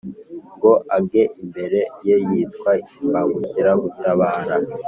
ngo age imbere ye, Yitwa imbagukira gutabara